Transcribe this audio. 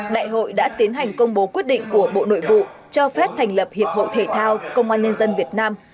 đại hội đã tiến hành công bố quyết định của bộ nội vụ cho phép thành lập hiệp hội thể thao công an nhân dân việt nam